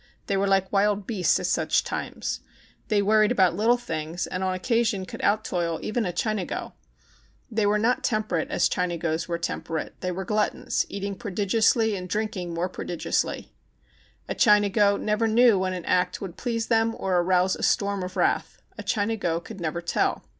They were like wild beasts at such times. They worried about little things, and on occasion could out toil even i64 THE CHINAGO a Chinago. They were not temperate as Chinagos were temperate; they w^ere gluttons, eating prodigiously and drinking more pro digiously. A Chinago never knew when an act would please them or arouse a storm of wrath. A Chinago could never tell.